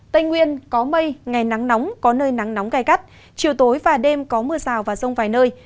tây nguyên có mây ngày nắng nóng có nơi nắng nóng gai gắt chiều tối và đêm có mưa rào và rông vài nơi